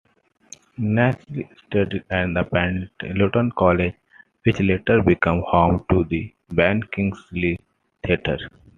Kingsley studied at Pendleton College, which later became home to the Ben Kingsley Theatre.